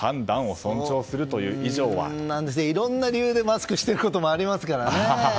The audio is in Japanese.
いろんな理由でマスクをしていることもありますからね。